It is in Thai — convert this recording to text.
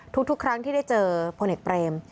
ทุกครั้งที่ได้เจอพลเอกเปรม